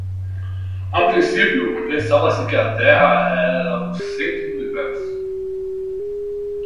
A princípio, pensava-se que a Terra era o centro do universo.